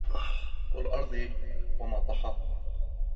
وَالْأَرْضِ وَمَا طَحَاهَا